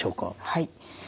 はい。